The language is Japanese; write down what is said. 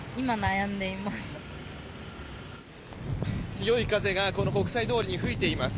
強い風がこの国際通りに吹いています。